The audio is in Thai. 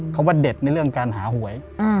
เขาว่าเด็ดในเรื่องการหาหวย